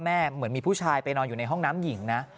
เหมือนมีผู้ชายไปนอนอยู่ในห้องน้ำหญิงนะ